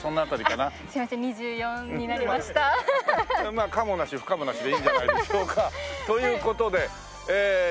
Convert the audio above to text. まあ可もなし不可もなしでいいんじゃないでしょうか。という事で首里城。